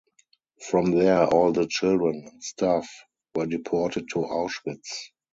From there, all the children and staff were deported to Auschwitz.